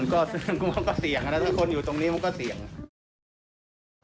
มันก็เสี่ยงนะคนอยู่ตรงนี้มันก็เสี่ยง